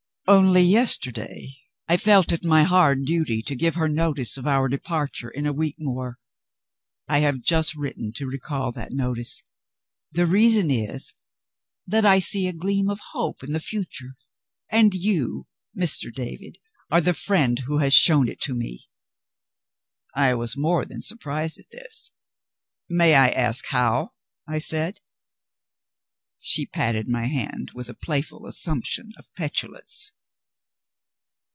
Only yesterday I felt it my hard duty to give her notice of our departure in a week more. I have just written to recall that notice. The reason is, that I see a gleam of hope in the future and you, Mr. David, are the friend who has shown it to me." I was more than surprised at this. "May I ask how?" I said. She patted my hand with a playful assumption of petulance.